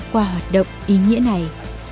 qua hoạt động ý nghĩa này